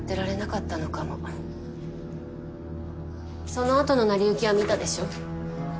そのあとの成り行きは見たでしょ？